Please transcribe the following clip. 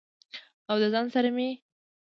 او د ځان سره مې